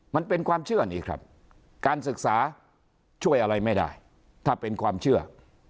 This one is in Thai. มันเป็นความเชื่อนี่ครับการศึกษาช่วยอะไรไม่ได้ถ้าเป็นความเชื่อ